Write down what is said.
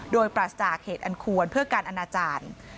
โดยปราศจากเหตุอันควรเพื่อการอนาจารย์